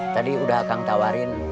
tadi udah akang tawarin